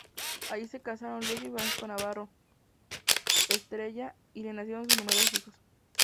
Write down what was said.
Allí se casaron Luz y Francisco Navarro Estrella; y le nacieron sus numerosos hijos.